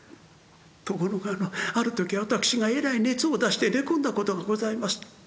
ところがあのある時私がえらい熱を出して寝込んだことがございました。